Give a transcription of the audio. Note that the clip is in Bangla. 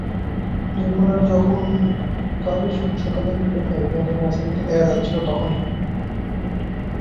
দুই ওপেনার যখন কাল সাতসকালেই ফিরলেন প্যাভিলিয়নে, ম্যাচের ইতি দেখা যাচ্ছিল তখনই।